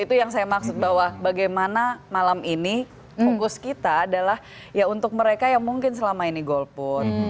itu yang saya maksud bahwa bagaimana malam ini fokus kita adalah ya untuk mereka yang mungkin selama ini golput